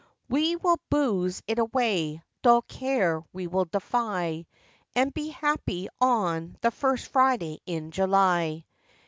So we'll booze it away, dull care we'll defy, And be happy on the first Friday in July.